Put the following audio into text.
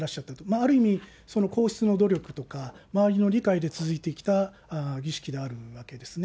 ある意味、皇室の努力とか、周りの理解で続いてきた儀式であるわけですね。